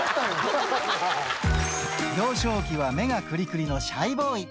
幼少期は目がくりくりのシャイボーイ。